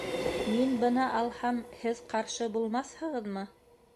Мин быны алһам, һеҙ ҡаршы булмаҫһығыҙмы?